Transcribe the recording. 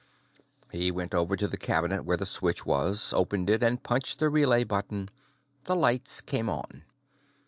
He went over to the cabinet where the switch was, opened it, and punched the relay button. The lights came on.